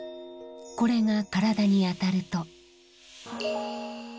これが体に当たると。